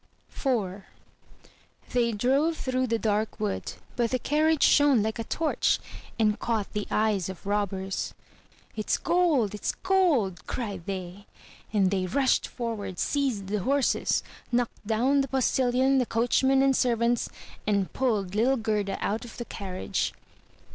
IV They drove through the dark wood; but the carriage shone like a torch, and caught the eyes of robbers. "It's gold! It's gold!'' cried they; and they rushed forward, seized the horses, knocked down the postilion, the coachman, and servants, and pulled little Gerda out of the carriage.